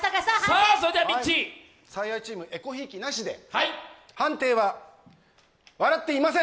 「最愛」チームえこひいきなしで判定は笑っていません！